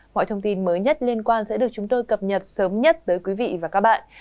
mọi thông tin mới nhất liên quan sẽ được chúng tôi cập nhật sớm nhất tới quý vị và các bạn